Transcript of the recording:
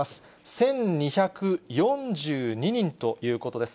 １２４２人ということです。